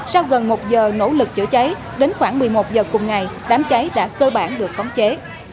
sau gần một giờ nỗ lực chữa cháy đến khoảng một mươi một giờ cùng ngày đám cháy đã cơ bản được khống chế